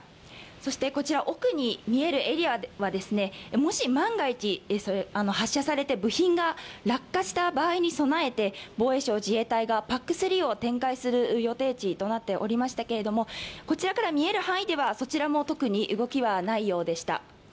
そしてこちら奥に見えるエリアはもし、万が一発射されて部品が落下した場合に備えて防衛省自衛隊がＰＡＣ３を展開する予定地となっていましたけれどもこちらから見える範囲ではそちらも特に動きはないようでした。